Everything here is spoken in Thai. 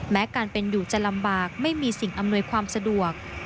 แม้การเป็นอยู่จะลำบากไม่มีสิ่งอำนวยความสะดวก